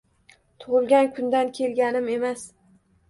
Tug’ilgan kundan kelganim emas.